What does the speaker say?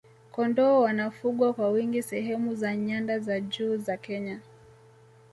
kondoo wanafugwa kwa wingi sehemu za nyanda za juu za kenya